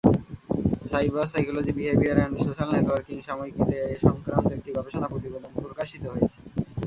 Cyberpsychology, behaviour and social networking সাময়িকীতে এ-সংক্রান্ত একটি গবেষণা প্রতিবেদন প্রকাশিত হয়েছে।